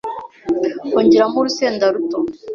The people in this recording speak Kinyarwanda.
Ongeramo urusenda ruto.